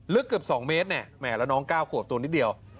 ลึกเกือบ๒เมตรแหมแล้วน้อง๙ขวบตัวนิดเดียว